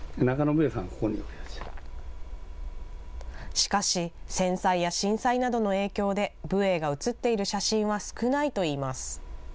しかし、戦災や震災などの影響で、武営が写っている写真は少ないといいます。